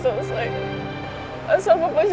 sama sama dengan kamu sama andi